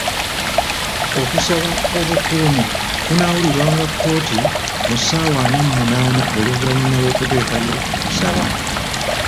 Okusaba obukuumi kunaawulirwanga kkooti mu ssaawa ana mu munaana oluvannyuma lw'okuteekayo okusaba.